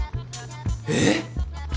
えっ？